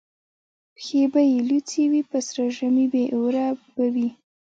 پښې به یې لوڅي وي په سره ژمي بې اوره به وي